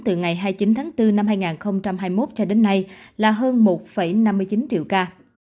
từ ngày hai mươi chín tháng bốn năm hai nghìn hai mươi một cho đến nay là hơn một năm mươi chín triệu ca